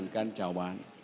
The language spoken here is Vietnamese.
hai mươi căn trào bán